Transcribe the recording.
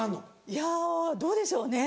いやぁどうでしょうね。